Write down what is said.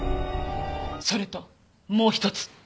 それともう一つ。